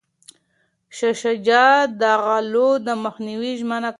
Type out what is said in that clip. شاه شجاع د غلو د مخنیوي ژمنه کوي.